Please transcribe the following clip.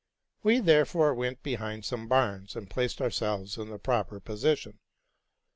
We therefore went behind some barns, and placed ourselves in the proper position.